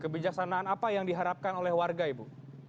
kebijaksanaan apa yang diharapkan oleh warga ibu